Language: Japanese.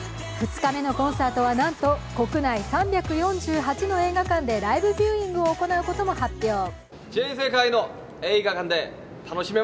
２日目のコンサートは、なんと国内３４８の映画館でライブビューイングを行うことも発表。